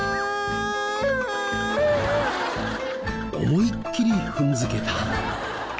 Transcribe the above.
思いきり踏んづけた。